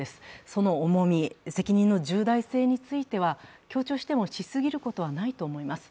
その重み、責任の重大性については強調しても、しすぎることはないと思います。